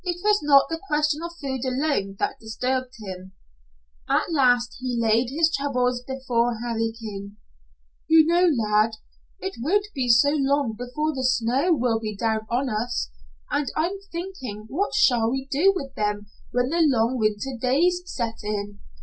It was not the question of food alone that disturbed him. At last he laid his troubles before Harry King. "You know, lad, it won't be so long before the snow will be down on us, and I'm thinking what shall we do with them when the long winter days set in."